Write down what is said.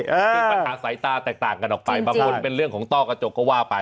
คือปัญหาสายตาแตกต่างกันออกไปบางคนเป็นเรื่องของต้อกระจกก็ว่าไป